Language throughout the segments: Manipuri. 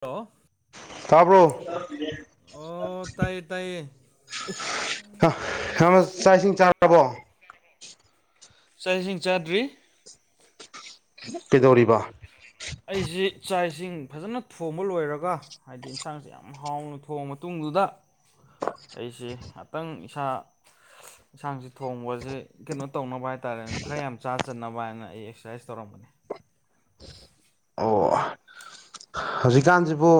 ꯍꯦꯜꯂꯣ ꯇꯥꯕ꯭ꯔꯣ ꯇꯕ꯭ꯔꯣ ꯑꯣ ꯇꯥꯏꯌꯦ ꯇꯥꯏꯌꯦ ꯍꯥꯂꯣ ꯆꯥꯛ ꯏꯁꯤꯡ ꯆꯥꯔꯕꯣ ꯆꯥꯛ ꯏꯁꯤꯡ ꯆꯥꯗ꯭ꯔꯤ ꯀꯩꯗꯧꯔꯤꯕ ꯑꯩꯖꯤ ꯆꯥꯛ ꯏꯁꯤꯡ ꯐꯖꯅ ꯊꯣꯡꯕ ꯂꯣꯏꯔꯒꯥ ꯍꯥꯏꯗꯤ ꯏꯟꯁꯥꯡꯁꯤ ꯌꯥꯝ ꯍꯥꯎꯅ ꯊꯣꯡꯉꯥ ꯃꯇꯨꯡꯗꯨꯗꯥ ꯑꯩꯁꯦ ꯉꯥꯇꯪ ꯏꯁꯥ ꯏꯟꯁꯥꯡꯁꯤ ꯊꯣꯡꯕꯖꯦ ꯀꯩꯅꯣ ꯇꯧꯅꯕ ꯍꯥꯏꯇꯥꯔꯦꯅꯦ ꯈꯔ ꯌꯥꯝ ꯆꯥ ꯆꯟꯅꯕ ꯍꯥꯏꯅ ꯑꯩ ꯑꯦꯛꯁꯔꯁꯥꯏꯁ ꯇꯧꯔꯝꯕꯅꯤ ꯑꯣ ꯍꯧꯖꯤꯛꯀꯥꯟꯁꯤꯕꯨ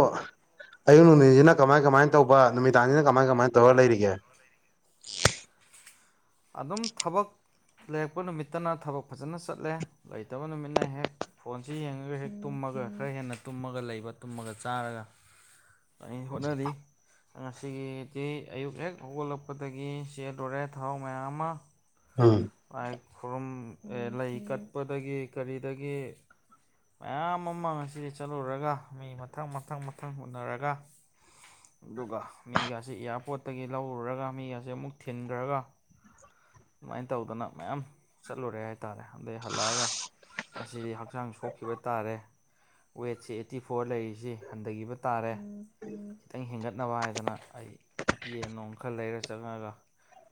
ꯑꯌꯨꯛ ꯅꯨꯡꯊꯤꯟꯖꯤꯅ ꯀꯃꯥꯏ ꯀꯃꯥꯏꯅ ꯇꯧꯕ ꯅꯨꯃꯤꯗꯥꯡꯖꯤꯅ ꯀꯃꯥꯏ ꯀꯃꯥꯏꯅ ꯇꯧꯔ ꯂꯩꯔꯤꯒꯦ ꯑꯗꯨꯝ ꯊꯕꯛ ꯂꯩꯔꯛꯄ ꯅꯨꯃꯤꯠꯇꯅ ꯊꯕꯛ ꯐꯖꯅ ꯆꯠꯂꯦ ꯂꯩꯇꯕ ꯅꯨꯃꯤꯠꯅ ꯍꯦꯛ ꯐꯣꯟꯁꯤ ꯌꯦꯡꯉꯒꯥ ꯍꯦꯛ ꯇꯨꯝꯃꯒꯥ ꯈꯔ ꯍꯦꯟꯅ ꯇꯨꯝꯃꯒꯥ ꯂꯩꯕ ꯇꯨꯝꯃꯒꯥ ꯆꯥꯔꯒꯥ ꯑꯩ ꯍꯣꯠꯅꯔꯤ ꯉꯁꯤꯒꯤꯗꯤ ꯑꯌꯨꯛ ꯍꯦꯛ ꯍꯧꯒꯠꯂꯛꯄꯗꯥꯒꯤ ꯆꯦꯜꯂꯨꯔꯦ ꯊꯥꯎ ꯃꯌꯥꯝꯃꯥ ꯎꯝ ꯃꯥꯏ ꯈꯨꯔꯨꯝ ꯂꯩ ꯀꯠꯄꯗꯒꯤ ꯀꯔꯤꯗꯒꯤ ꯃꯌꯥꯝ ꯑꯃ ꯉꯁꯤ ꯆꯠꯂꯨꯔꯒ ꯃꯤ ꯃꯊꯪ ꯃꯊꯪ ꯃꯊꯪ ꯎꯅꯔꯒ ꯑꯗꯨꯒ ꯃꯤꯒꯁꯤꯦ ꯑꯦꯌꯥꯔꯄꯣꯔꯠꯇꯒꯤ ꯂꯧꯔꯨꯔꯒ ꯃꯤꯒꯁꯤꯦ ꯑꯃꯨꯛ ꯊꯤꯟꯈ꯭ꯔꯒ ꯑꯗꯨꯃꯥꯏꯅ ꯇꯧꯗꯅ ꯃꯌꯥꯝ ꯆꯠꯂꯨꯔꯦ ꯍꯥꯏꯇꯥꯔꯦ ꯑꯗꯩ ꯍꯜꯂꯛꯑꯒ ꯃꯁꯤꯗꯤ ꯍꯛꯆꯥꯡ ꯁꯣꯛꯈꯤꯕ ꯇꯥꯔꯦ ꯋꯦꯠꯁꯤ ꯑꯩꯠꯇꯤ ꯐꯣꯔ ꯂꯩꯔꯤꯁꯤ ꯍꯟꯊꯒꯤꯕ ꯇꯥꯔꯦ ꯈꯤꯇꯪ ꯍꯦꯟꯒꯠꯅꯕ ꯍꯥꯏꯗꯅ ꯑꯩ ꯌꯦꯟ ꯅꯣꯡ ꯈꯔ ꯂꯩꯔ ꯆꯪꯉꯒꯥ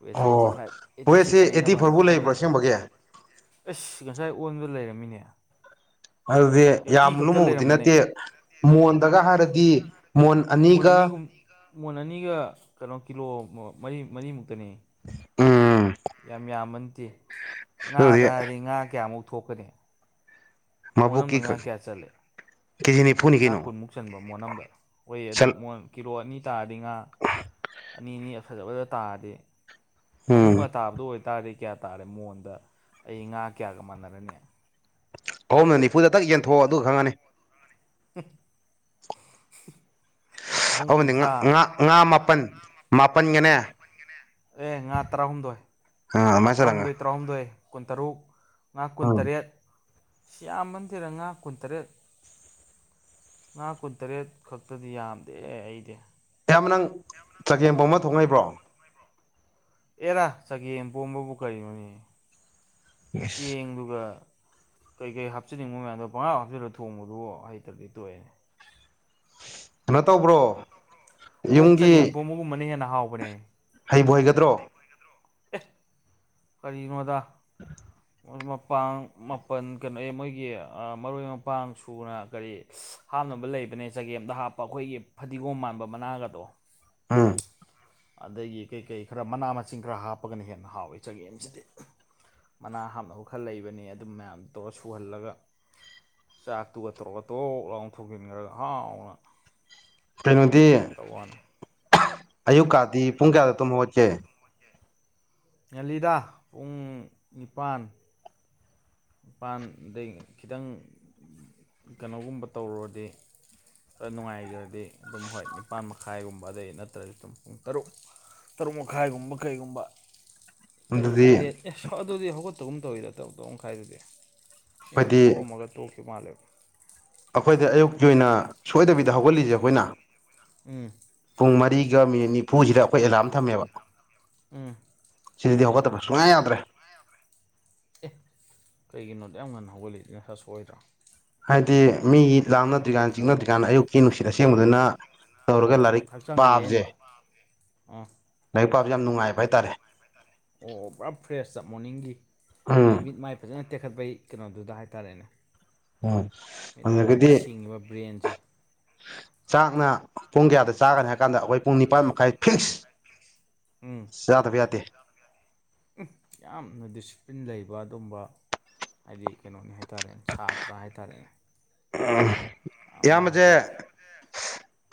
ꯋꯦꯠꯁꯦ ꯑꯩꯠꯇꯤ ꯐꯥꯏꯚ ꯑꯩꯠꯇꯤ ꯋꯦꯠꯁꯤ ꯁꯤꯛꯁ ꯑꯩꯠꯇꯤ ꯂꯩꯅꯕ ꯐꯣꯔ ꯍꯥꯏꯅ ꯐꯥꯎ ꯂꯩꯕ꯭ꯔꯥ ꯍꯣꯠꯅꯔꯤ ꯑꯁꯦꯝꯕꯒꯤ ꯑꯁ ꯉꯁꯥꯏ ꯑꯣꯟꯕꯗꯥ ꯂꯩꯔꯝꯃꯤꯅꯦ ꯑꯗꯨꯗꯤ ꯑꯩꯠꯇꯤ ꯌꯥꯝ ꯈꯛꯇ ꯂꯨꯝꯃꯨꯕꯗꯤ ꯂꯩꯔꯝꯕꯅꯦ ꯅꯠꯇꯦ ꯃꯣꯟꯗꯒꯥ ꯍꯥꯏꯔꯗꯤ ꯃꯣꯟ ꯑꯅꯤꯒꯨꯝ ꯃꯣꯟ ꯑꯅꯤꯒ ꯀꯩꯅꯣ ꯀꯤꯂꯣ ꯃꯔꯤ ꯃꯔꯤꯃꯨꯛ꯫ ꯅꯤ ꯎꯝ ꯌꯥꯝꯃꯤ ꯌꯥꯝꯟꯇ ꯉꯥꯗ ꯑꯗꯨꯗꯤ ꯍꯥꯏꯗꯤ ꯉꯥ ꯀꯌꯥꯃꯨꯛ ꯊꯣꯛꯀꯅꯤ ꯃꯣꯟ ꯃꯥꯕꯨ ꯑꯃꯗ ꯀ ꯉꯥ ꯀꯌꯥ ꯆꯜꯂꯦ ꯀꯖꯤꯅꯤ ꯉꯥ ꯀꯨꯟꯃꯨꯛ ꯆꯟꯕ ꯃꯣ ꯑꯃꯗ ꯑꯣꯏꯌꯦ ꯑꯗꯨ ꯁꯜ ꯀꯤꯂꯣ ꯑꯅꯤ ꯇꯥꯔꯗꯤ ꯉꯥ ꯑꯅꯤ ꯑꯅꯤ ꯐꯖꯕꯗ ꯇꯥꯔꯗꯤ ꯑꯍꯨꯝꯒ ꯎꯝ ꯇꯥꯕꯗ ꯑꯣꯏꯇꯥꯔꯗꯤ ꯀꯌꯥ ꯇꯥꯔꯦ ꯃꯉꯣꯟꯗ ꯑꯩ ꯉꯥ ꯀꯌꯥꯒ ꯃꯥꯟꯅꯔꯅꯤ ꯑꯍꯨꯝꯅ ꯅꯤꯐꯨꯗ ꯊꯛ ꯌꯦꯟꯊꯣꯛ ꯑꯗꯨꯒ ꯈꯪꯉꯅꯤ ꯑꯠ ꯑꯗꯨ ꯉꯥ ꯉꯥ ꯃꯥꯄꯜ ꯃꯥꯄꯟꯒꯅꯦ ꯑꯦ ꯉꯥ ꯇꯔꯥꯍꯨꯝꯗꯣꯏ ꯉꯥ ꯑꯗꯨꯃꯥꯏꯅ ꯆꯠꯂꯒ ꯇꯔꯥꯍꯨꯝꯗꯣꯏ ꯇꯔꯥꯍꯨꯝꯗꯣꯏ ꯀꯨꯟꯇꯔꯨꯛ ꯉꯥ ꯎꯝ ꯀꯨꯟꯇꯔꯦꯠ ꯁꯤ ꯌꯥꯝꯃꯟꯗꯔ ꯉꯥ ꯀꯨꯟꯇꯔꯦꯠ ꯉꯥ ꯀꯨꯟꯇꯔꯦꯠ ꯈꯛꯇꯗꯤ ꯌꯥꯝꯗꯦ ꯑꯩꯗꯤ ꯑꯌꯥꯝꯕ ꯅꯪ ꯆꯒꯦꯝꯕꯣ ꯑꯃ ꯊꯣꯛꯉꯛꯏꯕ꯭ꯔꯣ ꯑꯦꯔꯥ ꯆꯒꯦꯝ ꯄꯣꯝꯕꯕꯨ ꯀꯅꯤ ꯆ ꯌꯦꯁ ꯌꯦꯡꯂꯗꯨꯒ ꯀꯩꯀꯩ ꯍꯥꯞꯆꯤꯟꯅꯤꯡꯕ ꯃꯌꯥꯝꯗꯣ ꯄꯪꯒꯥꯞ ꯍꯥꯞꯆꯜꯂꯒ ꯊꯣꯡꯕꯗꯨꯕꯨ ꯍꯩꯇ꯭ꯔꯗꯤ ꯇꯣꯛꯑꯦ꯫ ꯀꯩꯅꯣ ꯇꯧꯕ꯭ꯔꯣ ꯑꯣꯛ ꯆꯒꯦꯕꯣ ꯃꯒꯨꯝꯕꯅ ꯍꯦꯟꯅ ꯍꯥꯎꯕꯅꯦ ꯍꯩꯕ ꯍꯩꯒꯗ꯭ꯔꯣ ꯀꯔꯤꯅ ꯑꯣꯗꯥ [inaudible] ꯃꯄꯥꯡ ꯃꯥꯄꯜ ꯀꯩꯅꯣ ꯑꯦ ꯃꯣꯏꯒꯤ ꯃꯔꯣꯏ ꯃꯄꯥꯡ ꯁꯨꯅ ꯀꯔꯤ ꯍꯥꯞꯅꯕ ꯂꯩꯕꯅꯦ ꯆꯒꯦꯝꯗ ꯍꯥꯞꯄ ꯑꯩꯈꯣꯏꯒꯤ ꯐꯗꯤꯒꯣꯝ ꯃꯥꯟꯕ ꯃꯅꯥꯒꯗꯣ꯫ ꯑꯥ ꯑꯗꯒꯤ ꯀꯩ ꯀꯩ ꯈꯔ ꯃꯅꯥ ꯃꯁꯤꯡ ꯈꯔ ꯍꯥꯞꯄꯒꯅ ꯍꯦꯟꯅ ꯍꯥꯎꯏꯦ ꯆꯒꯦꯝꯁꯤꯗꯤ ꯃꯅꯥ ꯍꯥꯞꯅꯕ ꯈꯔ ꯂꯩꯕꯅꯤ ꯑꯗꯨꯝ ꯃꯌꯥꯝꯗꯨ ꯇꯧꯔꯒ ꯁꯨꯍꯜꯂꯒ ꯆꯥꯛꯇꯨꯒ ꯇꯔꯣꯛ ꯑꯇꯣꯛ ꯂꯥꯎ ꯊꯣꯛꯖꯤꯟꯈ꯭ꯔꯒ ꯍꯥꯎꯅ ꯀꯩꯅꯣꯗꯤ ꯇꯧꯋꯥꯅꯤ ꯑꯌꯨꯛꯀꯗꯤ ꯄꯨꯡ ꯀꯌꯥꯗ ꯇ ꯍꯧꯣꯠꯀꯦ ꯉꯂꯤꯗꯥ ꯄꯨꯡ ꯅꯤꯄꯥꯟ ꯃꯄꯥꯟꯗꯩ ꯈꯤꯇꯪ ꯀꯩꯅꯣꯒꯨꯝꯕ ꯇꯧꯔꯨꯔꯗꯤ ꯈꯔ ꯅꯨꯡꯉꯥꯏꯈ꯭ꯔꯗꯤ ꯑꯗꯨꯝ ꯍꯣꯏ ꯅꯤꯄꯥꯥꯟ ꯃꯈꯥꯏꯒꯨꯝꯕ ꯑꯗꯩ ꯅꯠꯇ꯭ꯔꯗꯤ ꯑꯗꯨꯝ ꯄꯨꯡ ꯇꯔꯨꯛ ꯇꯔꯨꯛ ꯃꯈꯥꯏꯒꯨꯝꯕ ꯀꯩꯒꯨꯝꯕ ꯇꯔꯨꯛ ꯑꯗꯨꯗꯤ ꯇꯔꯦꯠ ꯑꯦ ꯑꯗꯨꯗꯤ ꯍꯧꯒꯠꯇꯒꯨꯝ ꯇꯧꯋꯤꯗ ꯇꯔꯨꯛ ꯇꯔ ꯃꯈꯥꯏꯗꯨꯗꯤ ꯍꯤꯛ ꯑꯞ ꯑꯩꯈꯣꯏꯗꯤ ꯊꯣꯛꯑꯝꯃꯒ ꯇꯣꯛꯈꯤꯕ ꯃꯥꯜꯂꯦꯕ ꯑꯩꯈꯣꯏꯗ ꯑꯌꯨꯛꯀꯤ ꯑꯣꯏꯅ ꯁꯣꯏꯗꯕꯤꯗ ꯍꯧꯒꯠꯂꯤꯁꯦ ꯑꯩꯈꯣꯏꯅ ꯎꯝ ꯄꯨꯡ ꯃꯔꯤꯒ ꯃꯤꯅꯤꯠ ꯅꯤꯐꯨꯁꯤꯗ ꯑꯩꯈꯣꯏ ꯑꯦꯂꯥꯝ ꯊꯝꯃꯦꯕ ꯎꯝ ꯁꯤꯗꯤ ꯍꯧꯒꯠꯇꯕ ꯁꯨꯡꯌꯥ ꯌꯥꯗ꯭ꯔꯦ ꯑꯦ ꯀꯩꯒꯤꯅꯣ ꯑꯗꯨꯛꯌꯥꯝ ꯉꯟꯅ ꯍꯧꯒꯠꯂꯤꯗꯤ ꯅꯁꯥ ꯁꯣꯛ ꯑꯣꯏꯗ꯭ꯔꯥ ꯍꯥꯏꯗꯤ ꯃꯤ ꯂꯥꯞꯅꯗ꯭ꯔꯤꯀꯥꯟ ꯆꯤꯛꯅꯗ꯭ꯔꯤꯀꯥꯟ ꯑꯌꯨꯛꯀꯤ ꯅꯨꯡꯁꯤꯠ ꯑꯁꯦꯡꯕꯗꯨꯅ ꯇꯧꯔꯒ ꯂꯥꯏꯔꯤꯛ ꯄꯥꯕꯖꯦ ꯑꯣ ꯂꯥꯏꯛ ꯄꯕꯖꯦ ꯌꯥꯝ ꯅꯨꯡꯉꯥꯏꯕ ꯍꯥꯏꯇꯥꯔꯦ ꯑꯣ ꯑꯣ ꯄꯨꯔꯥ ꯐ꯭ꯔꯦꯁ ꯇ ꯃꯣꯔꯅꯤꯡꯒꯤ ꯎꯝ ꯑꯩ ꯃꯤꯠ ꯃꯥꯏ ꯐꯖꯅ ꯇꯦꯛꯈꯠꯄꯒꯤ ꯀꯩꯅꯣꯗꯨꯗ ꯍꯥꯏꯇꯥꯔꯦꯅꯦ ꯎꯝ ꯃꯤꯠ ꯃꯥꯏ ꯐꯖꯅ ꯑꯗꯨꯒꯗꯤ ꯕ꯭ꯔꯦꯟꯁꯦ ꯆꯥꯛꯅ ꯄꯨꯡ ꯀꯌꯥꯗ ꯆꯥꯒꯅꯤ ꯍꯥꯏꯕ ꯀꯥꯟꯗ ꯑꯩꯈꯣꯏ ꯄꯨꯡ ꯅꯤꯄꯥꯟ ꯃꯈꯥꯏ ꯐꯤꯛꯁ ꯎꯝ ꯌꯥꯗꯕꯌꯥꯇ ꯌꯥꯝꯅ ꯗꯤꯁꯤꯄ꯭ꯂꯤꯟ ꯂꯩꯕ ꯑꯗꯨꯒꯝꯕ ꯍꯥꯏꯗꯤ ꯀꯩꯅꯣꯅꯤ ꯍꯥꯏꯇꯥꯔꯦꯅꯦ ꯁꯥꯇ꯭ꯔ ꯍꯥꯏꯇꯥꯔꯦꯅꯦ ꯑ ꯌꯥꯝꯅ ꯍꯥꯏꯗꯤ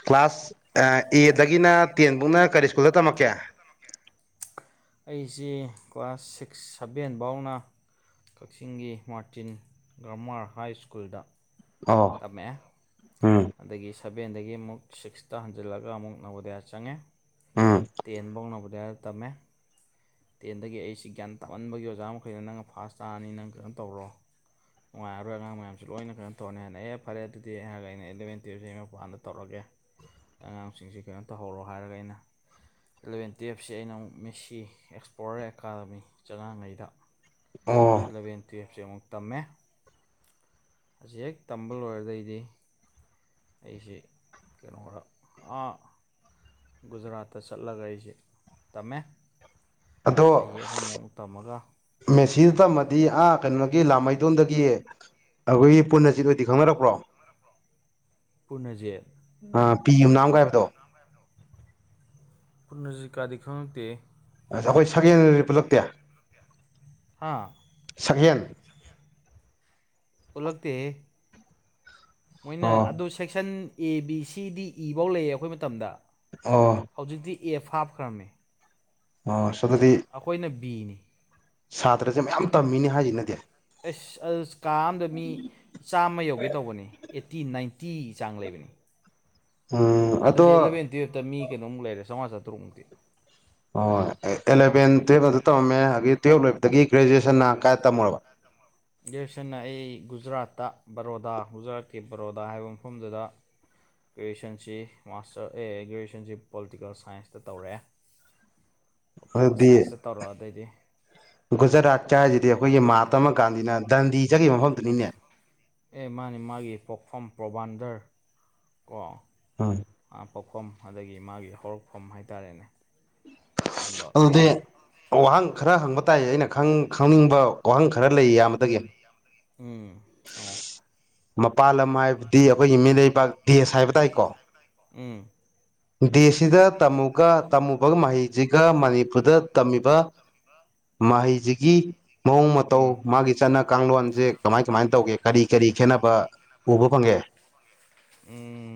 ꯀ꯭ꯂꯥꯁ ꯑꯦꯗꯒꯤꯅ ꯇꯦꯟꯐꯧꯅ ꯀꯔꯤ ꯁ꯭ꯀꯨꯜꯗ ꯇꯝꯃꯛꯀꯦ ꯑꯩꯁꯤ ꯀ꯭ꯂꯥꯁ ꯁꯤꯛꯁ ꯁꯚꯦꯟ ꯕꯥꯎꯅ ꯀꯛꯆꯤꯡꯒꯤ ꯃꯥꯔꯇꯤꯟ ꯒ꯭ꯔꯃꯥꯔ ꯍꯥꯏ ꯁ꯭ꯀꯨꯜꯗ ꯑꯣ ꯇꯝꯃꯛꯑꯦ ꯎꯝ ꯑꯗꯒꯤ ꯁꯕꯦꯟꯗꯒꯤ ꯑꯃꯨꯛ ꯁꯤꯛꯁꯇ ꯍꯟꯖꯜꯂꯒ ꯑꯃꯨꯛ ꯅꯕꯣꯗꯌꯥ ꯆꯪꯉꯦ ꯎꯝ ꯇꯦꯟꯕꯧ ꯅꯦꯕꯣꯗꯤꯌꯥꯗ ꯇꯝꯃꯦ ꯇꯦꯟꯗꯒꯤ ꯑꯩꯁꯤ ꯒ꯭ꯌꯥꯟ ꯇꯥꯃꯟꯕꯒꯤ ꯑꯣꯖꯥ ꯃꯈꯩꯩꯅ ꯅꯪꯅ ꯐꯥꯥꯁ ꯇꯥꯔꯅꯤ ꯅꯪ ꯀꯩꯅꯣ ꯇꯧꯔꯣ ꯉꯥꯏꯔꯣꯏ ꯑꯉꯥꯡ ꯃꯌꯥꯝꯖꯦ ꯂꯣꯏꯅ ꯀꯩꯅꯣ ꯇꯧꯔꯅꯤ ꯍꯥꯏꯅ ꯑꯦ ꯐꯔꯦ ꯑꯗꯨꯗꯤ ꯍꯥꯢꯔꯒ ꯑꯩꯅ ꯑꯦꯂꯕꯦꯟ ꯇꯨꯌꯦꯞꯁꯦ ꯃꯄꯥꯟꯗ ꯇꯧꯔꯒꯦ ꯑꯉꯥꯡꯁꯤꯡꯁꯦ ꯀꯩꯅꯣ ꯇꯧꯍꯧꯔꯣ ꯍꯥꯏꯔꯒ ꯑꯩꯅ ꯏꯂꯚꯦꯟ ꯇꯨꯌꯦꯞꯁꯦ ꯑꯩꯅ ꯑꯃꯨꯛ ꯃꯦꯁꯤ ꯑꯦꯛꯁꯄ꯭ꯂꯣꯔ ꯑꯦꯀꯥꯗꯃꯤ ꯆꯉꯥꯡꯒꯩꯗ ꯑꯣ ꯑꯦꯂꯚꯦꯟ ꯇꯨꯌꯦꯞꯁꯦ ꯑꯃꯨꯛ ꯇꯝꯃꯦ ꯃꯁꯤ ꯍꯦꯛ ꯇꯝꯕ ꯂꯣꯏꯔꯗꯩꯗꯤ ꯑꯩꯁꯤ ꯀꯩꯅꯣꯔ ꯑ ꯒꯨꯖꯔꯥꯠꯇ ꯆꯠꯂꯒ ꯑꯩꯖꯦ ꯇꯝꯃꯦ ꯑꯗꯣ ꯆꯍꯤ ꯑꯍꯨꯝ ꯃꯨꯛ ꯇꯝꯃꯒ ꯃꯦꯁꯤꯗ ꯇꯝꯃꯗꯤ ꯑꯥ ꯀꯩꯅꯣꯒꯤ ꯂꯥꯃꯩꯗꯣꯟꯗꯒꯤ ꯑꯩꯈꯣꯏꯒꯤ ꯄꯨꯟꯅꯖꯤꯠ ꯍꯣꯏꯗꯤ ꯈꯪꯅꯔꯛꯄ꯭ꯔꯣ ꯄꯨꯔꯅꯖꯤꯠ ꯑꯥ ꯄꯤ ꯌꯨꯝꯅꯥꯝꯒ ꯍꯥꯏꯕꯗꯣ ꯄꯨꯟꯅꯖꯤꯠ ꯀꯥꯗꯤ ꯈꯪꯉꯛꯇꯦꯍꯦ ꯑꯁ ꯑꯩꯈꯣꯏ ꯁꯀꯦꯟ [unintelligible] ꯄꯨꯜꯂꯛꯇꯦ ꯍꯥꯥ ꯁꯛꯍꯦꯟ ꯄꯨꯜꯂꯛꯇꯦꯍꯦ ꯃꯣꯏꯅ ꯑꯣ ꯑꯗꯨ ꯁꯦꯛꯁꯟ ꯑꯦ ꯕꯤ ꯁꯤ ꯗꯤ ꯏꯚꯧ ꯂꯩꯌꯦ ꯑꯩꯈꯣꯏ ꯃꯇꯝꯗ ꯑꯣ ꯍꯧꯖꯤꯛꯇꯤ ꯑꯦꯐ ꯍꯥꯞꯈ꯭ꯔꯝꯃꯤ ꯑꯣꯁ ꯑꯗꯨꯗꯤ ꯑꯩꯈꯣꯏꯅ ꯕꯤꯅꯤ ꯁꯥꯇ꯭ꯔꯁꯦ ꯃꯌꯥꯝ ꯇꯝꯃꯤꯅꯦ ꯍꯥꯏꯁꯤꯅꯗꯤ ꯑꯩꯁ ꯑꯗꯨ ꯀꯥ ꯑꯃꯗ ꯃꯤ ꯆꯥꯝꯃ ꯌꯧꯒꯦ ꯇꯧꯕꯅꯤ ꯑꯦꯠꯇꯤ ꯅꯥꯏꯟꯇꯤ ꯆꯥꯡ ꯂꯩꯕꯅꯤ ꯎꯝ ꯑꯗꯣ ꯑꯗꯨꯗꯤ ꯑꯦꯂꯕꯦꯟ ꯇꯨꯌꯦꯞꯇ ꯃꯤ ꯀꯣꯨꯛ ꯂꯩꯔꯦꯥꯝꯉ ꯆꯥꯇꯨꯛꯃꯨꯛꯇꯤ ꯍꯣꯏ ꯍꯣꯏ ꯑꯦꯂꯕꯦꯟ ꯇꯨꯌꯦꯞ ꯑꯇ ꯇꯧꯝꯃꯦ ꯑꯗꯒꯤ ꯇꯨꯌꯦꯜꯞ ꯂꯣꯏꯕꯗꯒꯤ ꯒ꯭ꯔꯦꯖꯨꯑꯦꯁꯟꯅ ꯀꯥꯏ ꯇꯝꯃꯨꯔꯕ ꯗꯔꯁꯟꯅ ꯑꯩ ꯒꯨꯖꯔꯥꯠꯇ ꯕꯔꯣꯗꯥ ꯒꯨꯖꯔꯥꯠꯀꯤ ꯕꯔꯣꯗꯥ ꯍꯥꯏꯕ ꯃꯐꯝꯗꯨꯗ ꯒ꯭ꯔꯦꯖꯨꯌꯦꯁꯟꯁꯤ ꯃꯥꯁꯇꯔ ꯑꯦ ꯒ꯭ꯔꯦꯖꯨꯋꯌꯦꯁꯟꯁꯤ ꯄꯣꯂꯤꯇꯤꯀꯦꯜ ꯁꯥꯏꯟꯁꯇ ꯇꯧꯔꯛꯦ ꯑꯣꯞꯇꯤꯀꯦꯜ ꯁꯥꯏꯟꯁꯇ ꯇꯧꯔꯛꯑ ꯑꯗꯩꯗꯤ ꯒꯨꯖꯔꯥꯠ ꯆ ꯍꯥꯏꯁꯤꯗꯤ ꯑꯩꯈꯣꯏꯒꯤ ꯃꯍꯥꯇꯃꯥ ꯒꯥꯟꯙꯤꯅ ꯗꯟꯗꯤ ꯆꯠꯈꯤꯕ ꯃꯐꯝꯗꯨꯅꯤꯅꯦ ꯑꯦ ꯃꯥꯅꯦ ꯃꯥꯒꯤ ꯄꯣꯛꯐꯝ ꯄ꯭ꯔꯣꯕꯥꯟꯗꯔ ꯀꯣ [inaudible] ꯑ ꯄꯣꯛꯐꯝ ꯑꯗꯒꯤ ꯃꯥꯒꯤ ꯍꯧꯔꯛꯐꯝ ꯍꯥꯏꯇꯥꯔꯦꯅꯦ ꯁꯨꯝꯕ ꯑꯗꯨꯗꯤ ꯃꯐꯝꯅꯤ ꯋꯥꯍꯪ ꯈꯔ ꯍꯪꯕ ꯇꯥꯏ ꯑꯩꯅ ꯈꯪ ꯈꯪꯅꯤꯡꯕ ꯋꯥꯍꯪ ꯈꯔ ꯂꯩꯌꯦ ꯢꯌꯥꯝꯕꯗꯒꯤ ꯎꯝ ꯍꯪꯉꯣ ꯃꯄꯥꯥꯟ ꯂꯝ ꯍꯥꯏꯕꯗꯤ ꯑꯩꯈꯣꯏꯒꯤ ꯃꯤꯔꯩꯕ ꯗꯦꯁ ꯍꯥꯏꯕ ꯇꯥꯏꯀꯣ ꯎꯝ ꯗꯦꯁꯁꯤꯗ ꯇꯝꯃꯨꯒ ꯇꯝꯃꯨꯕ ꯃꯍꯩꯁꯤꯒ ꯃꯅꯤꯄꯨꯔꯗ ꯇꯝꯃꯤꯕ ꯃꯍꯩꯁꯤꯒꯤ ꯃꯑꯣꯡ ꯃꯇꯧ ꯎꯝ ꯃꯥꯒꯤ ꯆꯠꯅ ꯀꯥꯡꯂꯣꯟꯁꯦ ꯀꯃꯥꯏ ꯀꯃꯥꯏꯅ ꯇꯧꯒꯦ ꯀꯔꯤ ꯀꯔꯤ ꯈꯦꯠꯅꯕ ꯎꯕ ꯐꯪꯉꯦ ꯎꯝ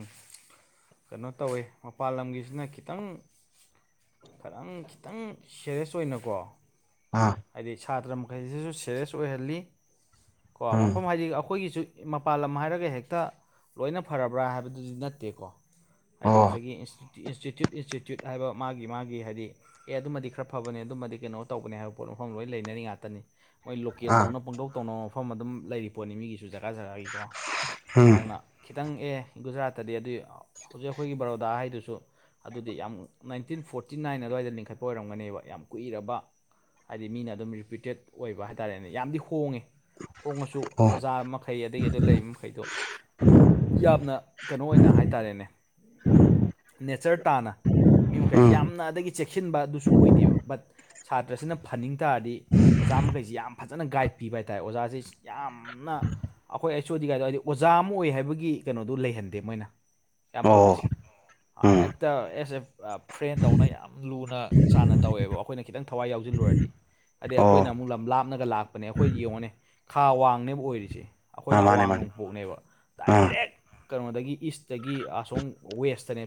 ꯀꯩꯅꯣ ꯇꯧꯋꯦ ꯃꯄꯥꯟ ꯂꯝꯒꯤꯁꯤꯅ ꯈꯤꯇꯪ ꯈꯔꯪ ꯈꯤꯇꯪ ꯁꯦꯔꯌꯁ ꯑꯣꯏꯅꯀꯣ ꯑꯥ ꯍꯥꯏꯗꯤ ꯁꯥꯇ꯭ꯔ ꯃꯈꯩꯁꯤꯁꯨ ꯁꯦꯔꯤꯌꯁ ꯑꯣꯏꯍꯜꯂꯤ ꯀꯣ ꯎꯝ ꯃꯐꯝ ꯍꯥꯏꯗꯤ ꯑꯩꯈꯣꯏꯒꯤꯁꯨ ꯃꯄꯥꯥꯟ ꯂꯝ ꯍꯥꯏꯔꯒ ꯍꯦꯛꯇ ꯂꯣꯏꯅ ꯐꯔꯕ꯭ꯔꯥ ꯍꯥꯏꯕꯗꯨꯗꯤ ꯅꯠꯇꯦꯀꯣ ꯍꯥꯏꯗꯤ ꯑꯣ ꯉꯁꯥꯏꯒꯤ ꯏꯟꯁꯇꯤꯇ꯭ꯌꯨꯠ ꯏꯟꯁꯇꯤꯇ꯭ꯌꯨꯠ ꯍꯥꯏꯕ ꯃꯥꯒꯤ ꯃꯥꯒꯤ ꯍꯥꯏꯗꯤ ꯑꯦ ꯑꯗꯨꯃꯗꯤ ꯈꯔ ꯐꯕꯅꯦ ꯑꯗꯨꯃꯗꯤ ꯀꯩꯅꯣ ꯇꯧꯕꯅꯦ ꯍꯥꯏꯕ ꯄꯣꯠ ꯃꯐꯝ ꯂꯣꯏ ꯂꯩꯅꯔꯤ ꯉꯥꯛꯇꯅꯤ ꯃꯣꯏ ꯑꯥ ꯂꯣꯀꯦꯜꯗꯧꯅ ꯄꯪꯗꯧ ꯇꯧꯅꯕ ꯃꯐꯝ ꯑꯗꯨꯝ ꯂꯩꯔꯤ ꯄꯣꯠꯅꯤ ꯃꯤꯒꯤ ꯨ ꯖꯒꯥ ꯖꯒꯥꯒꯤꯀꯣ ꯎꯝ ꯑꯗꯨꯅ ꯈꯤꯇꯪ ꯑꯦ ꯒꯨꯖꯔꯥꯠꯇꯗꯤ ꯑꯗꯨꯏ ꯍꯧꯖꯤꯛ ꯑꯩꯈꯣꯏꯒꯤ ꯕꯔꯣꯗꯥ ꯍꯥꯏꯗꯨꯁꯨ ꯑꯗꯨꯗꯤ ꯌꯥꯝ ꯅꯥꯏꯟꯇꯤꯟ ꯐꯣꯔꯇꯤ ꯅꯥꯏꯟ ꯑꯗꯨꯋꯥꯏꯗ ꯂꯤꯡꯈꯠꯄ ꯑꯣꯏꯔꯝꯒꯅꯦꯕ ꯌꯥꯝ ꯀꯨꯏꯔꯕ ꯍꯥꯏꯗꯤ ꯃꯤꯅ ꯑꯗꯨꯝ ꯔꯤꯄꯤꯇꯦꯠ ꯑꯣꯏꯕ ꯍꯥꯏꯇꯥꯔꯦꯅꯦ ꯌꯥꯝꯗꯤ ꯍꯣꯡꯉꯦ ꯍꯣꯡꯉꯁꯨ ꯑꯣ ꯑꯣꯖꯥ ꯃꯈꯩ ꯑꯗꯒꯤ ꯑꯗꯨ ꯂꯩ ꯃꯈꯩꯗꯣ ꯌꯥꯝꯅ ꯀꯩꯅꯣ ꯑꯣꯏꯅ ꯍꯥꯏꯇꯥꯔꯦꯅꯦ ꯅꯦꯆꯔ ꯇꯥꯅ ꯃꯤ ꯃꯈꯩꯁꯤꯦ ꯎꯝ ꯌꯥꯝꯅ ꯑꯗꯒꯤ ꯆꯦꯛꯁꯤꯟꯕ ꯑꯗꯨꯁꯨ ꯑꯣꯏꯗꯦꯕ ꯕꯠ ꯁꯥꯇ꯭ꯔꯁꯤꯅ ꯐꯟꯅꯤꯡ ꯇꯥꯔꯗꯤ ꯑꯣꯖꯥ ꯃꯈꯩꯁꯤ ꯌꯥꯝ ꯐꯖꯅ ꯒꯥꯏꯗ ꯄꯤꯕ ꯍꯥꯏꯇꯥꯔꯦ ꯑꯣꯖꯥꯁꯤ ꯌꯥꯝꯅ ꯑꯩꯈꯣꯏ ꯑꯩꯆ ꯑꯣꯗꯤ ꯀꯥꯏꯗꯧꯋꯥꯏꯗꯤ ꯑꯣꯖꯥ ꯑꯃ ꯑꯣꯏ ꯍꯥꯏꯕꯒꯤ ꯀꯩꯅꯣꯗꯨꯣ ꯂꯩꯍꯟꯗꯦ ꯃꯣꯏꯅ ꯌꯥꯝ ꯑꯣ ꯐꯕꯁꯤ ꯎꯝ ꯍꯦꯛꯇ ꯑꯦꯁ ꯑꯦ ꯐ꯭ꯔꯦꯟꯗꯧꯅ ꯌꯥꯝ ꯂꯨꯅ ꯆꯥꯟꯅ ꯇꯧꯋꯦꯕ ꯑꯩꯈꯣꯏꯅ ꯈꯤꯇꯪ ꯊꯋꯥꯏ ꯌꯥꯎꯁꯤꯜꯂꯨꯔꯗꯤ ꯑꯗꯩ ꯑꯩꯈꯣꯏꯅ ꯑꯣ ꯑꯃꯨꯛ ꯂꯝ ꯂꯥꯞꯅꯒ ꯂꯥꯛꯄꯅꯦ ꯑꯩꯈꯣꯏ ꯌꯦꯡꯉꯣꯅꯦ ꯈꯥ ꯋꯥꯡꯅꯦꯕ ꯑꯣꯏꯔꯤꯁꯦ ꯑꯥ ꯑꯩꯈꯣꯏꯅ ꯃꯥꯅꯦ ꯑꯋꯥꯡ ꯃꯥꯅꯦ ꯅꯣꯡꯄꯣꯛꯅꯦꯕ ꯑꯥ ꯗꯥꯏꯔꯦꯛ ꯀꯩꯅꯣꯗꯒꯤ ꯏꯁꯇꯒꯤ ꯑꯁꯣꯝ ꯋꯦꯁꯇꯅꯦ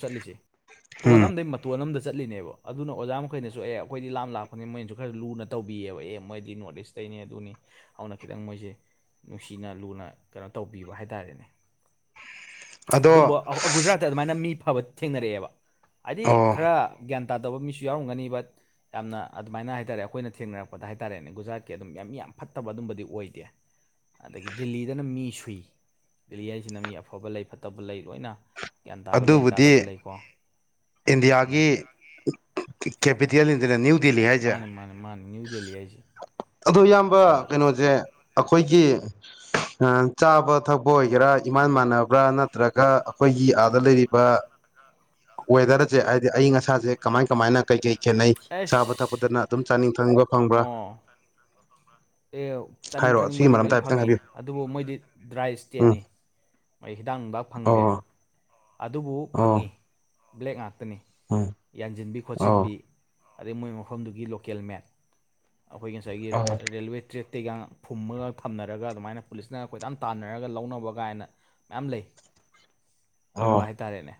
ꯆꯠꯂꯤꯁꯦ ꯎꯝ ꯇꯣꯟꯅꯝꯗꯩ ꯇꯣꯟ ꯑꯃꯗ ꯆꯠꯂꯤꯅꯦꯕ ꯑꯗꯨꯅ ꯑꯣꯖꯥ ꯃꯈꯩꯅꯁꯨ ꯑꯦ ꯑꯩꯈꯣꯏꯗꯤ ꯂꯥꯝ ꯂꯥꯛꯄꯅꯤ ꯃꯣꯏꯅꯁꯨ ꯈꯔ ꯂꯨꯅ ꯇꯧꯕꯤꯌꯦꯕ ꯑꯦ ꯃꯣꯏꯗꯤ ꯅꯣꯔꯠ ꯏꯁ ꯑꯇꯩꯅꯦ ꯑꯗꯨꯅꯤ ꯍꯧꯅ ꯈꯤꯇꯪ ꯃꯣꯏꯁꯦ ꯅꯨꯡꯁꯤꯅ ꯂꯨꯅ ꯀꯩꯅꯣ ꯇꯧꯕꯤꯕ ꯍꯥꯏꯇꯥꯔꯦꯅꯦ [inaudible] ꯑꯗꯣ ꯑꯗꯨꯝꯕ ꯒꯨꯖꯔꯥꯠꯇ ꯑꯗꯨꯃꯥꯏꯅ ꯃꯤ ꯐꯕ ꯊꯦꯡꯅꯔꯛꯑꯦꯕ ꯍꯥꯏꯗꯤ ꯑꯣ ꯈꯔ ꯒ꯭ꯌꯥꯟ ꯇꯥꯗꯕ ꯃꯤꯁꯨ ꯌꯥꯎꯔꯝꯒꯅꯦꯕ ꯌꯥꯝꯅ ꯑꯗꯨꯃꯥꯏꯅ ꯍꯥꯏꯇꯥꯔꯦ ꯑꯩꯈꯣꯏꯅ ꯊꯦꯡꯅꯔꯛꯄꯗ ꯍꯥꯏꯇꯥꯔꯦꯅꯦ ꯒꯨꯖꯔꯥꯠꯀꯤ ꯑꯗꯨꯝ ꯌꯥꯝ ꯌꯥꯝ ꯐꯠꯇꯕ ꯑꯗꯨꯝꯕꯗꯤ ꯑꯣꯏꯗꯦ ꯑꯗꯒꯤ ꯗꯤꯜꯂꯤꯗꯅ ꯃꯤ ꯁꯨꯏ ꯗꯤꯜꯂꯤ ꯍꯥꯏꯁꯤꯅ ꯃꯤ ꯑꯐꯕ ꯂꯩ ꯐꯠꯇꯕ ꯂꯩ ꯂꯣꯏꯅ ꯒ꯭ꯌꯥꯟ ꯇꯥꯕ ꯂꯩ ꯇꯥꯗꯕ ꯑꯗꯨꯕꯨꯗꯤ ꯂꯩꯀꯣ ꯎꯝ ꯏꯟꯗꯤꯌꯥꯒꯤ ꯀꯦꯄꯤꯇꯦꯜ ꯅꯤꯗꯅ ꯅ꯭ꯌꯨ ꯗꯦꯜꯂꯤ ꯍꯥꯏꯁꯦ ꯃꯥꯅꯤ ꯃꯥꯅꯤ ꯃꯥꯅꯤ ꯅ꯭ꯌꯨ ꯗꯦꯜꯂꯤ ꯍꯥꯏꯁꯦ ꯑꯗꯣ ꯏꯌꯥꯝꯕ ꯀꯩꯅꯣꯁꯦ ꯑꯩꯈꯣꯏꯒꯤ ꯆꯥꯕ ꯊꯛꯄ ꯑꯣꯏꯒꯦꯔꯥ ꯏꯃꯥꯟ ꯃꯥꯟꯅꯕ꯭ꯔꯥ ꯅ ꯅꯠꯇ꯭ꯔꯒ ꯑꯩꯈꯣꯏꯒꯤ ꯑꯥꯗ ꯂꯩꯔꯤꯕ ꯋꯦꯗꯔꯖꯦ ꯍꯥꯏꯗꯤ ꯑꯏꯪ ꯑꯁꯥꯁꯦ ꯀꯃꯥꯏ ꯀꯃꯥꯏꯅ ꯀꯩ ꯀꯩ ꯈꯦꯠꯅꯩ ꯆꯥꯕ ꯊꯛꯄꯗꯅ ꯑꯗꯨꯝ ꯆꯥꯅꯤꯡ ꯊꯛꯅꯤꯡꯕ ꯐꯪꯕ꯭ꯔꯥ ꯑꯥ ꯑꯦ ꯆꯥꯅꯤꯡ ꯍꯥꯏꯔꯣ ꯁꯤꯒꯤ ꯊꯛꯅꯤꯡꯕꯗꯤ ꯂꯣꯏ ꯃꯔꯝꯗ ꯍꯥꯏꯐꯦꯠꯇꯪ ꯐꯪꯉꯤ ꯍꯥꯏꯕꯤꯌꯨ ꯑꯗꯨꯕꯨ ꯃꯣꯏꯗꯤ ꯗ꯭ꯔꯥꯏ ꯎꯝ ꯏꯁꯇꯦꯠꯅꯤ꯫ ꯃꯣꯏ ꯍꯤꯗꯥꯛ ꯅꯨꯡꯗꯥꯛ ꯐꯪꯗꯦ꯫ ꯑꯣ ꯑꯗꯨꯕꯨ ꯑꯣ ꯐꯪꯉꯤ ꯕ꯭ꯂꯦꯛ ꯉꯥꯛꯇꯅꯤ ꯎꯝ ꯌꯥꯟꯁꯤꯟꯕꯤ ꯑꯣ ꯈꯣꯠꯆꯤꯟꯕꯤ ꯑꯗꯩ ꯃꯣꯏ ꯃꯐꯝꯗꯨꯒꯤ ꯂꯣꯀꯦꯜ ꯃꯦꯠ ꯑꯩꯈꯣꯏꯒꯤ ꯉꯁꯥꯏꯒꯤ ꯑꯣ ꯔꯦꯜꯋꯦ ꯇ꯭ꯔꯦꯛꯇꯩꯒꯅ ꯐꯨꯝꯃꯒ ꯊꯝꯅꯔꯒ ꯑꯗꯨꯃꯥꯏꯅ ꯄꯨꯂꯤꯁꯅ ꯈꯣꯏꯇꯥꯟ ꯇꯥꯟꯅꯔꯒ ꯂꯧꯅꯕ ꯀꯥꯏꯅ꯫ ꯃ ꯂꯩ ꯑꯗꯨꯝꯕ ꯑꯣ ꯍꯥꯏꯇꯥꯔꯦꯅꯦ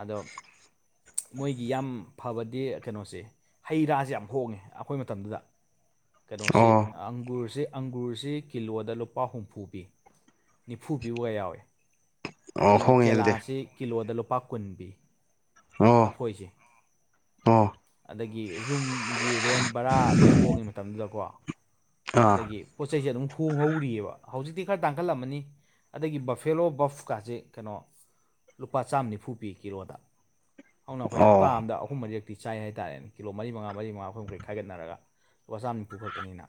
ꯑꯗꯣ ꯃꯣꯏꯒꯤ ꯌꯥꯝ ꯐꯕꯗꯤ ꯀꯩꯅꯣꯁꯦ ꯍꯩ ꯔꯥꯖꯦ ꯌꯥꯝ ꯍꯣꯡꯉꯦ ꯑꯩꯈꯣꯏ ꯃꯇꯝꯗꯨꯗ ꯀꯩꯅꯣꯁꯤ꯫ ꯑꯣ ꯑꯪꯒꯨꯔꯁꯤ ꯑꯪꯒꯨꯔꯁꯤ ꯀꯤꯂꯣꯗ ꯂꯨꯄꯥ ꯍꯨꯝꯐꯨ ꯄꯤ꯫ ꯅꯤꯐꯨ ꯄꯤꯕꯒ ꯌꯥꯎꯋꯦ ꯑꯣ ꯍꯣꯏ ꯑꯗꯨꯗꯤ꯫ ꯁꯤ ꯀꯤꯂꯣꯗ ꯂꯨꯄꯥ ꯀꯨꯟ ꯄꯤ꯫ ꯑꯣ ꯈꯣꯏꯁꯦ꯫ ꯑꯣ ꯑꯗꯒꯤ ꯔꯨꯝꯒꯤ ꯔꯦꯟ ꯕꯔꯥ ꯂꯣꯏ ꯍꯣꯡꯉꯤ ꯃꯇꯝꯗꯨꯗꯀꯣ꯫ ꯑꯥ ꯑꯗꯒꯤ ꯄꯣꯠ ꯆꯩꯩꯁꯦ ꯑꯗꯨꯝ ꯍꯣꯡꯍꯧꯔꯤꯑꯕ ꯍꯧꯖꯤꯛꯇꯤ ꯈꯔ ꯇꯥꯡꯈꯠꯂꯝꯃꯅꯤ ꯑꯗꯒꯤ ꯕꯐꯦꯂꯣ ꯕꯐꯀꯥꯁꯦ ꯀꯩꯅꯣ ꯂꯨꯄꯥ ꯆꯥꯝꯃ ꯅꯤꯐꯨ ꯄꯤ ꯀꯤꯂꯣꯗ ꯑꯗꯨꯅ ꯑꯩꯈꯣꯏ ꯍꯞꯇꯥ ꯑ ꯑꯣ ꯑꯃꯗ ꯑꯍꯨꯝ ꯃꯔꯤ ꯇꯤ ꯆꯥꯏ ꯍꯥꯏꯇꯥꯔꯦꯅꯦ ꯀꯤꯂꯣ ꯃꯔꯤ ꯃꯉꯥ ꯃꯔꯤ ꯃꯉꯥ ꯑꯩꯈꯣꯏ ꯃꯈꯩ ꯈꯥꯏꯒꯠꯅꯔꯒ ꯂꯨꯄꯥ ꯆꯥꯝ ꯅꯤꯐꯨ ꯈꯛꯇꯅꯤꯅ꯫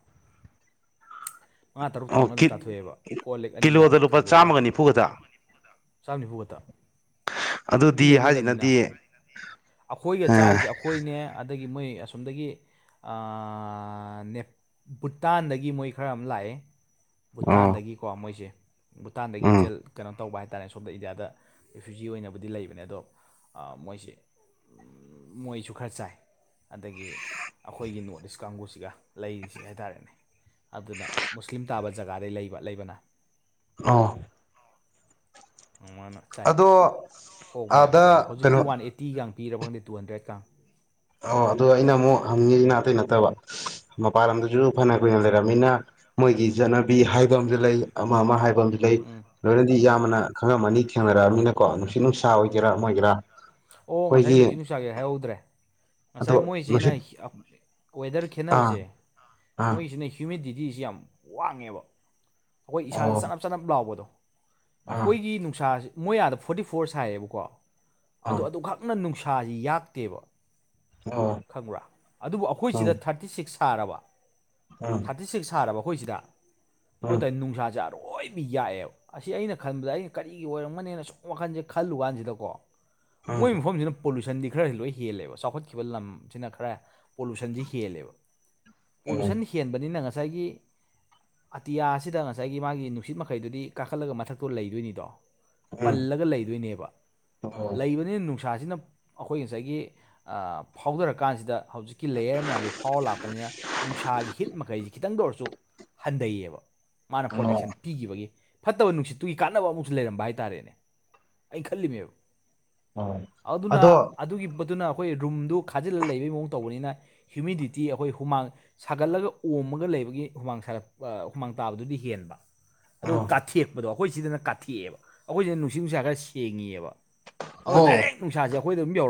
ꯃꯉꯥ ꯇꯔꯨꯛ ꯑꯣ ꯊꯣꯡꯉꯒ ꯑꯗꯨꯝ ꯀꯤ ꯆꯥꯊꯣꯛꯑꯦꯕ ꯀꯣꯜ ꯂꯦꯛ ꯑꯅꯤꯒ ꯀꯤꯂꯣꯗ ꯂꯨꯄꯥ ꯊꯣꯡꯗꯣꯛꯑꯒ ꯆꯥꯝꯃꯒ ꯅꯤꯐꯨ ꯈꯛꯇ ꯆꯥꯝ ꯅꯤꯐꯨꯒꯛꯇ ꯃꯤ ꯑꯗꯨꯗꯤ ꯂꯩꯅꯗꯕꯅꯤꯅ ꯍꯥꯏꯁꯤꯅꯗꯤ ꯑꯩꯈꯣꯏꯒ ꯆꯥꯔꯤꯁꯦ ꯑꯥ ꯑꯩꯈꯣꯏꯅꯦ ꯑꯗꯒꯤ ꯃꯣꯏ ꯑꯁꯣꯝꯗꯒꯤ ꯚꯨꯇꯥꯟꯗꯒꯤ ꯃꯣꯏ ꯈꯔ ꯑꯃ ꯂꯥꯛꯑꯦ ꯑꯣ ꯚꯨꯇꯥꯟꯗꯒꯤꯀꯣ ꯃꯣꯏꯁꯦ ꯚꯨꯇꯥꯟꯗꯒꯤ ꯎꯝ ꯀꯩꯅꯣ ꯇꯧꯕ ꯍꯥꯏꯔꯦ ꯇꯥꯏꯝꯁ ꯑꯣꯐ ꯗ ꯏꯟꯗꯤꯌꯥꯗ ꯔꯤꯐ꯭ꯌꯨꯖꯤ ꯑꯣꯏꯅꯕꯨꯗꯤ ꯂꯩꯕꯅꯦ ꯑꯗꯣ ꯃꯣꯏꯁꯦ ꯃꯣꯏꯁꯨ ꯈꯔ ꯆꯥꯏ꯫ ꯑꯗꯒꯤ ꯑꯩꯈꯣꯏꯒꯤ ꯅꯣꯔꯠ ꯏꯁ ꯀꯥꯡꯕꯨꯁꯤꯒ ꯂꯩꯔꯤꯁꯤ ꯍꯥꯏꯇꯥꯔꯦꯅꯦ ꯑꯗꯨꯅ ꯃꯨꯁꯂꯤꯝ ꯇꯥꯕ ꯖꯒꯥꯗꯩ ꯂꯩꯕ ꯂꯩꯕꯅ ꯑꯣ ꯃꯥꯅ ꯆꯥꯏ ꯑꯗꯣ ꯍꯣꯡꯉꯦ ꯌꯥꯝ ꯃꯇꯝꯗꯣ ꯑꯥꯗ ꯍꯧꯖꯤꯛꯇꯤ ꯀꯩꯅꯣ ꯋꯥꯟ ꯑꯥꯏꯇꯤ ꯆꯥꯡ ꯄꯤꯔꯕ ꯈꯪꯗꯦ ꯇꯨ ꯍꯟꯗ꯭ꯔꯦꯠ ꯒ꯭ꯥꯔꯝ꯫ ꯑꯣ ꯑꯗꯣ ꯑꯩꯅ ꯑꯃꯨꯛ ꯍꯪꯉꯤꯁꯤꯅꯥ ꯑꯇꯩ ꯅꯠꯇꯕ ꯃꯄꯥꯟ ꯂꯝꯗꯁꯨ ꯐꯅ ꯀꯨꯏꯅ ꯂꯩꯔꯝꯅꯤꯅ꯫ ꯃꯣꯏꯒꯤ ꯆꯠꯅꯕꯤ ꯍꯥꯏꯕ ꯑꯃꯗꯤ ꯂꯩ ꯑꯃ ꯑꯃ ꯍꯥꯏꯕ ꯑꯝ꯫ ꯂꯩ ꯂꯣꯏꯅꯗꯤ ꯎꯝ ꯌꯥꯝꯕꯅ ꯈꯪꯉꯝꯃꯅꯤ ꯊꯦꯡꯅꯔꯛꯑꯕꯃꯤꯅꯀꯣ ꯅꯨꯡꯁꯤꯠ ꯅꯨꯡꯁꯥ ꯎꯝ ꯑꯣꯏꯒꯦꯔꯥ ꯑꯣꯏꯒꯦꯔꯥ ꯑꯣ ꯉꯁꯥꯏ ꯑꯩꯈꯣꯏꯒꯤ ꯅꯨꯡꯁꯤꯠ ꯅꯨꯡꯁꯥꯒꯤ ꯍꯥꯏꯍꯧꯗ꯭ꯔꯦ ꯑꯗꯣ ꯉꯁꯥꯏ ꯃꯣꯏꯁꯤꯅ ꯅꯨꯡꯁꯤꯠ ꯋꯦꯗꯔ ꯑꯥ ꯈꯦꯠꯅꯕꯁꯦ ꯑꯥ ꯃꯣꯏꯁꯤꯅ꯫ ꯍ꯭ꯌꯨꯃꯤꯗꯤꯇꯤꯁꯤ ꯌꯥꯝ ꯋꯥꯡꯉꯦꯕ ꯑꯩꯈꯣꯏ ꯏꯁꯥꯗ ꯑꯣ ꯆꯅꯞ ꯆꯅꯞ ꯂꯥꯎꯕꯗꯣ ꯑꯩꯈꯣꯏꯒꯤ ꯅꯨꯡꯁꯥꯁꯦ ꯃꯣꯏ ꯑꯥꯗ ꯐꯣꯔꯇꯤ ꯐꯣꯔ ꯁꯥꯏꯌꯦꯕꯀꯣ ꯑꯗꯨ ꯑꯗꯣ ꯑꯗꯨꯈꯛ꯫ ꯌꯥꯝꯅ ꯅꯨꯡꯁꯥꯁꯤ ꯌꯥꯛꯇꯦꯕ ꯈꯪꯕ꯭ꯔꯥ ꯑꯗꯨꯕꯨ ꯑꯩꯈꯣꯏꯁꯤꯗ ꯊꯔ꯫ ꯊꯥꯔꯇꯤ ꯁꯤꯛꯁ ꯁꯥꯔꯕ꯫ ꯑꯣ ꯊꯥꯔꯇꯤ ꯁꯤꯛꯁ ꯁꯥꯔꯕ ꯑꯩꯈꯣꯏꯁꯤꯗ ꯑꯗꯨꯗꯤ ꯅꯨꯡꯁꯥꯥꯁꯦ꯫ ꯌꯥꯏꯑꯦꯕ ꯑꯁꯤ ꯑꯩꯅ ꯈꯟꯕꯗ ꯑꯩꯅ ꯀꯔꯤꯒꯤ ꯑꯣꯏꯔꯝꯒꯅꯦꯅ ꯁꯨꯝ ꯋꯥꯈꯜꯁꯦ ꯈꯜꯂꯨ ꯀꯥꯟꯁꯤꯗꯀꯣ꯫ ꯃꯣꯏ ꯃꯐꯝꯁꯤꯅ꯫ ꯄꯣꯂꯨꯁꯟꯗꯤ ꯈꯔ ꯂꯣꯏ ꯍꯦꯜꯂꯦꯕ ꯆꯥꯎꯈꯠꯈꯤꯕ ꯂꯝꯁꯤꯅ ꯈꯔ ꯄꯣꯂꯨꯁꯟꯁꯤ ꯍꯦꯜꯂꯦꯕ꯫ ꯄꯣꯂꯨꯁꯟ ꯑꯣ ꯍꯦꯟꯕꯅꯤꯅ ꯉꯁꯥꯏꯒꯤ ꯑꯇꯤꯌꯥ ꯑꯁꯤꯗ ꯉꯁꯥꯏꯒꯤ ꯃꯥꯒꯤ ꯅꯨ꯫ ꯁꯤꯠ ꯃꯈꯩꯗꯨꯗꯤ ꯀꯥꯈꯠꯂꯒ ꯃꯊꯛꯇꯣ ꯂꯩꯗꯣꯏꯅꯤꯗꯣ ꯄꯜꯂꯒ ꯂꯩꯗꯣꯏꯅꯦꯕ ꯂꯩꯕ꯫ ꯑꯅ ꯅꯨꯡꯁꯥꯁꯤꯅ ꯑꯩꯈꯣꯏ ꯉꯁꯥꯏꯒꯤ ꯐꯥꯎꯗꯔꯀꯥꯟꯁꯤꯗ ꯍꯧꯖꯤꯛꯀꯤ ꯂꯦꯌꯔ ꯃꯌꯥꯝꯗꯨ ꯐꯥꯎꯔ ꯂꯥꯛꯄꯅꯤꯅ ꯅꯨꯡꯁꯥꯒꯤ ꯍꯤꯠ ꯃꯈꯩꯁꯤ ꯈꯤꯇꯪꯗ ꯑꯣꯏꯔꯁꯨ ꯍꯟꯗꯩꯕ ꯃꯥꯅ ꯄ꯭ꯔꯣꯇꯦꯛꯁꯟ꯫ ꯄꯤꯈꯤꯕꯒꯤ ꯐꯠꯇꯕ ꯅꯨꯡꯁꯤꯠꯇꯨꯒꯤ ꯀꯥꯟꯅꯕ ꯑꯃꯁꯨꯁꯨ ꯂꯩꯔꯝꯕ ꯍꯥꯏꯇꯥꯔꯦꯅꯦ ꯑꯩꯅ ꯈꯜꯂꯤꯅꯦꯕ ꯑꯗꯨꯅ ꯑꯗꯨꯒꯤ ꯃꯗꯨꯅ ꯑꯩꯈꯣꯏ ꯔꯨꯝꯗꯨ ꯈꯥꯖꯤꯜꯂ ꯂꯩꯕ ꯩ ꯃꯑꯣꯡ ꯇꯧꯕꯅꯤꯅ ꯍ꯭ꯌꯨꯃꯤꯗꯤꯇꯤ ꯑꯩꯈꯣꯏ ꯍꯨꯃꯥꯡ ꯁꯥꯒꯠꯂꯒ ꯑꯣꯝꯃꯒ ꯂꯩꯕꯒꯤ ꯍꯨꯃꯥꯡ ꯁꯥꯒꯠ ꯑ ꯍꯨꯃꯥꯡ ꯇꯥꯕꯗꯨꯗꯤ ꯍꯦꯟꯕ ꯑꯗꯨꯒ ꯀꯥꯊꯦꯛꯄꯗꯣ ꯑꯩꯈꯣꯏ ꯁꯤꯗꯅ ꯀꯥꯊꯦꯛꯑꯦꯕ ꯑꯩꯈꯣꯏꯁꯤꯗꯅ ꯅꯨꯡꯁꯤꯠ ꯅꯨꯡꯁꯥ ꯈꯔ ꯁꯦꯡꯉꯤꯌꯦꯕ ꯑꯣ ꯗꯥꯏꯔꯦꯛ ꯅꯨꯡꯁꯥꯁꯦ ꯑꯈꯣꯏꯗ ꯑꯗꯨꯝ ꯌꯧꯔꯦ__